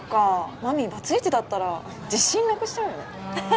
真実バツイチだったら自信なくしちゃうよね。